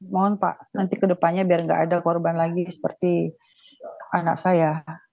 mohon pak nanti ke depannya biar nggak ada korban lagi seperti anak saya